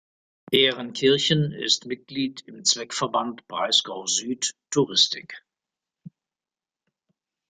Ehrenkirchen ist Mitglied im Zweckverband Breisgau Süd Touristik.